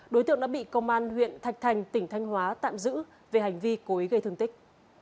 đối tượng đã bị công an huyện thạch thành tỉnh thanh hóa tạm giữ về hành vi cố ý gây thương tích